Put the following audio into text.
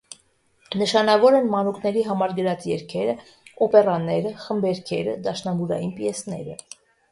Նշանավոր են մանուկների համար գրած երգերը, օպերաները, խմբերգերը, դաշնամուրային պիեսները։